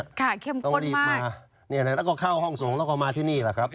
ค่ะเค็มข้นมากต้องรีบมาแล้วก็เข้าห้องทรงแล้วก็มาที่นี่แหละครับ